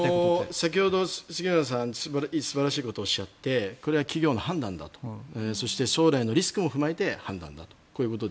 先ほど杉村さん素晴らしいことをおっしゃってこれは企業の判断だとそして将来のリスクを踏まえての判断だと。